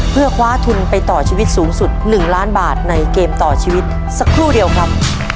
เพื่อคว้าทุนไปต่อชีวิตสูงสุด๑ล้านบาทในเกมต่อชีวิตสักครู่เดียวครับ